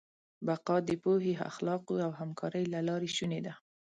بقا د پوهې، اخلاقو او همکارۍ له لارې شونې ده.